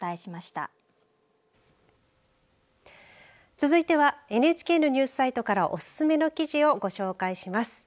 続いてはＮＨＫのニュースサイトからおすすめの記事をご紹介します。